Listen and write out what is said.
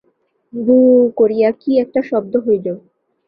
বু-উ-উ-উ করিয়া কি একটা শব্দ হইল।